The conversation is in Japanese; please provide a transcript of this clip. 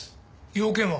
用件は？